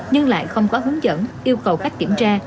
nhưng lại không có hướng dẫn yêu cầu cách kiểm tra